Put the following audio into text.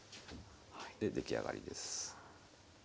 で出来上がりです。